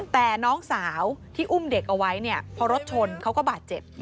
แต่น้องสาวที่อุ้มเด็กเอาไว้เนี่ยพอรถชนเขาก็บาดเจ็บ